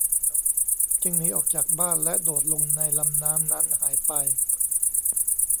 จึงหนีออกจากบ้านและโดดลงในลำน้ำนั้นหายไป